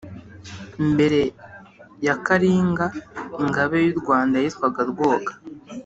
mbere ya karinga, ingabe y’u rwanda yitwaga rwoga